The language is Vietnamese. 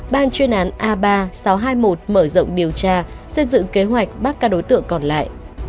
ban chuyên án a ba sáu trăm hai mươi một mở rộng điều tra xây dựng kế hoạch bắt các đối tượng còn lại